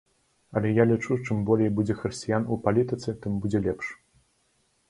Але я лічу, чым болей будзе хрысціян у палітыцы, тым будзе лепш.